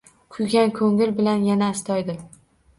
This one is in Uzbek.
Kuygan ko‘ngil bilan yana astoydil